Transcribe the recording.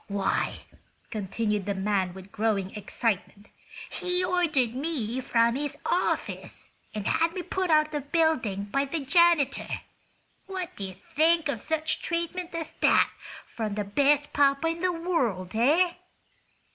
"Why," continued the man, with growing excitement, "he ordered me from his office, and had me put out of the building by the janitor! What do you think of such treatment as that from the 'best papa in the world,' eh?"